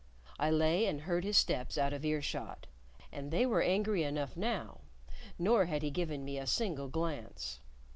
I lay and heard his steps out of earshot, and they were angry enough now, nor had he given me a single glance.